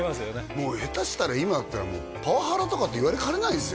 もう下手したら今だったらパワハラとかって言われかねないですよ